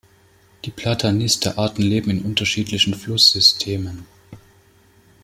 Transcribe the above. Die "Platanista"-Arten leben in unterschiedlichen Flusssystemen.